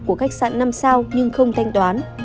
của khách sạn năm sao nhưng không thanh toán